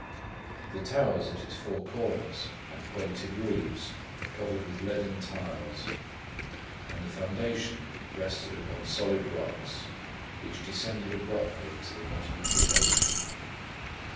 The towers at its four corners had pointed roofs covered with leaden tiles, and the foundation rested upon solid rocks, which descended abruptly to the bottom of the moat.